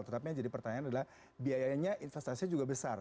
tetapi yang jadi pertanyaan adalah biayanya investasinya juga besar